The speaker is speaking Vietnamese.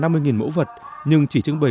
năm mươi mẫu vật nhưng chỉ trưng bày